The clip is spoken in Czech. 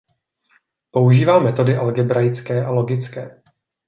Používá metody algebraické a logické.